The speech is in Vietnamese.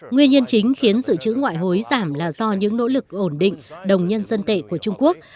nguyên nhân chính khiến dự trữ ngoại hối giảm là do những nỗ lực ổn định đồng nhân dân tệ của trung quốc